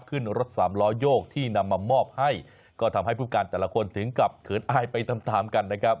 ขึ้นรถสามล้อโยกที่นำมามอบให้ก็ทำให้ผู้การแต่ละคนถึงกับเขินอายไปตามตามกันนะครับ